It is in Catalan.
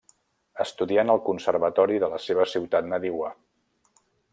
Estudià en el Conservatori de la seva ciutat nadiua.